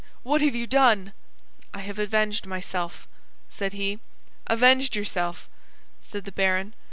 what have you done?" "I have avenged myself!" said he. "Avenged yourself," said the baron.